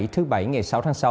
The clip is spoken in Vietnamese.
thứ bảy ngày sáu tháng sáu